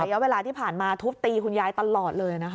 ระยะเวลาที่ผ่านมาทุบตีคุณยายตลอดเลยนะคะ